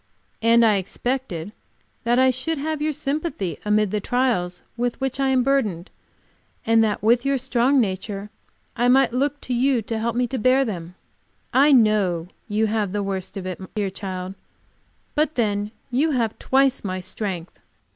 And I expected that I should have your sympathy amid the trials with which I am burdened, and that with your strong nature I might look to you to help me bear them. I know you have the worst of it, dear child, but then you have twice my strength.